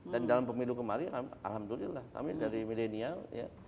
dan dalam pemilu kemarin alhamdulillah kami dari milenial ya